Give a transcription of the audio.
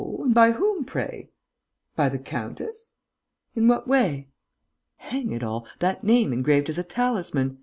And by whom, pray?" "By the countess?" "In what way?" "Hang it all, that name engraved as a talisman!...